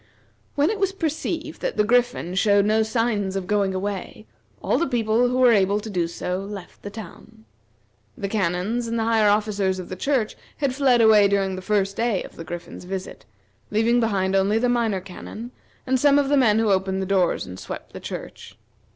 When it was perceived that the Griffin showed no sign of going away, all the people who were able to do so left the town. The canons and the higher officers of the church had fled away during the first day of the Griffin's visit, leaving behind only the Minor Canon and some of the men who opened the doors and swept the church.